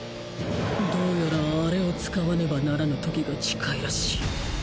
どうやらあれを使わねばならぬ時が近いらしい